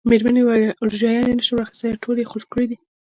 مېرمنې وویل: روجایانې نه شم را اخیستلای، ټولې یې قلف کړي دي.